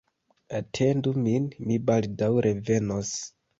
Atendu min, mi baldaŭ revenos.